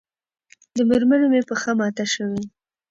د مېرمنې مې پښه ماته شوې